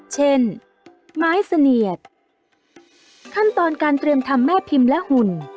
เช่นไม้เสนียดขั้นตอนการเตรียมทำแม่พิมพ์และหุ่น